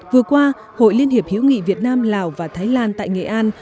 vừa qua hội liên hiệp hiểu nghị việt nam lào và thái lan tại nghệ an